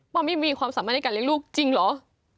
ไม่มีความสามารถในการเลี้ยงลูกจริงเหรอ